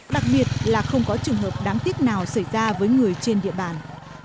đặc biệt là không có trường hợp đáng tiếc nào xảy ra với người trên địa bàn